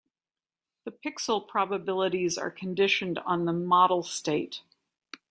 The pixel probabilities are conditioned on the model state.